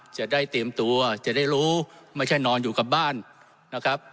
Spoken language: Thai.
จะได้เตรียมตัวจะได้รู้ไม่ใช่นอนอยู่กับบ้านนะครับ